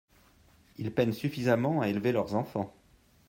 Ils peinent suffisamment à élever leurs enfants.